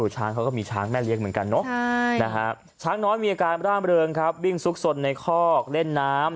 ช้างเขาก็มีช้างแม่เลี้ยงเหมือนกันเนอะช้างน้อยมีอาการร่ามเริงครับวิ่งซุกสนในคอกเล่นน้ำ